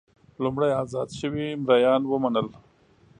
لومړی ازاد شوي مریان ومنل.